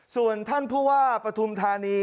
ส่วนท่านผู้ว่าปฐุมธานี